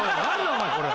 お前これ。